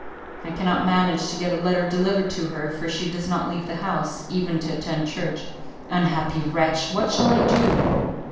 I cannot manage to get a letter delivered to her, for she does not leave the house, even to attend church. Unhappy wretch! What shall I do?"